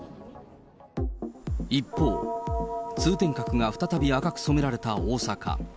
一方、通天閣が再び赤く染められた大阪。